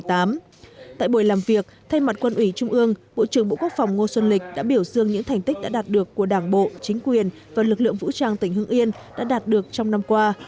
tại buổi làm việc thay mặt quân ủy trung ương bộ trưởng bộ quốc phòng ngô xuân lịch đã biểu dương những thành tích đã đạt được của đảng bộ chính quyền và lực lượng vũ trang tỉnh hưng yên đã đạt được trong năm qua